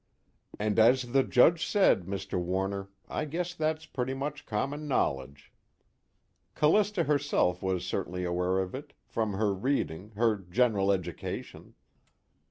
And as the Judge said, Mr. Warner, I guess that's pretty much common knowledge. Callista herself was certainly aware of it, from her reading, her general education.